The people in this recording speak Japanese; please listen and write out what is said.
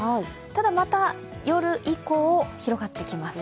ただ、また、夜以降広がってきます。